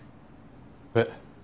えっ？